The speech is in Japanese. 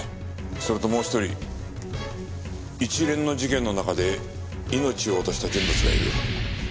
それともう一人一連の事件の中で命を落とした人物がいる。